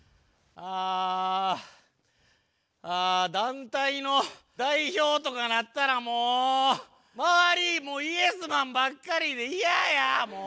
あ団体の代表とかなったらもう周りもイエスマンばっかりで嫌やもう。